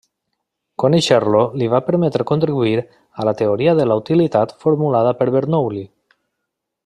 Conèixer-lo li va permetre contribuir a la teoria de la utilitat formulada per Bernoulli.